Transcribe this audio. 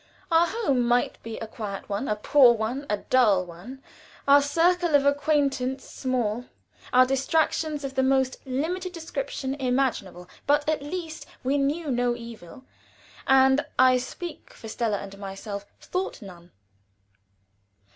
Our home might be a quiet one, a poor one, a dull one our circle of acquaintance small, our distractions of the most limited description imaginable, but at least we knew no evil, and I speak for Stella and myself thought none.